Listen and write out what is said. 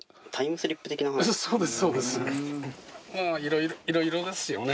いろいろですよね。